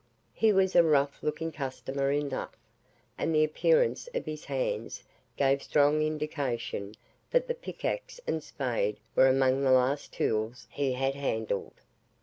He was a rough looking customer enough, and the appearance of his hands gave strong indication that the pickaxe and spade were among the last tools he had handled.